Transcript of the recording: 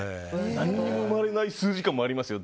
何も生まれない数時間もありますよ。